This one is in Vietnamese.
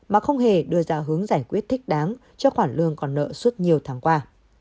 mà không hề đưa ra hướng giải quyết thích đáng cho khoản lương còn nợ suốt nhiều tháng qua